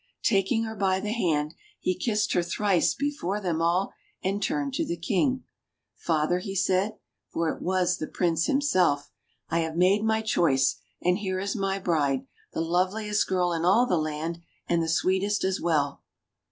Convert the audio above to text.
Taking her by the hand, he kissed her thrice before them all, and turned to the King. "Father!" he said — for it was the Prince himself — 6o ENGLISH FAIRY TALES "I have made my choice, and here is my bride, the lovehest girl in all the land, and the sweetest as well